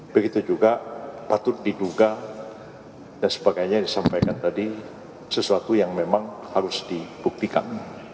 begitu juga patut diduga dan sebagainya yang disampaikan tadi sesuatu yang memang harus dibuktikan